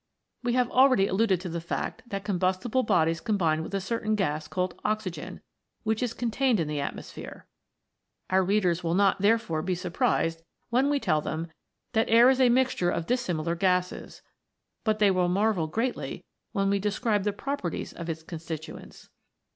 We have already alluded to the fact that com bustible bodies combine with a certain gas called oxygen, which is contained in the atmosphere ; our readers will not, therefore, be surprised when we tell them that air is a mixture of dissimilar gases, but they will marvel greatly when we describe the properties of its constituents.